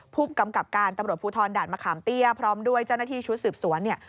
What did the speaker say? ผู้กำกับการตำรวจภูทรด่านมะขามเตี้ยพร้อมด้วยเจ้าหน้าที่ชุดสืบสวนเนี่ย